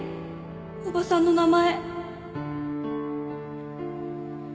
おばさんの名前。